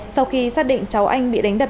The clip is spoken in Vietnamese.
sau khi xác định cháu anh bị đánh đập